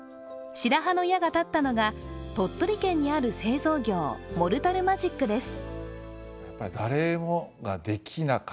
白羽の矢が立ったのが鳥取県にある製造業、モルタルマジックです。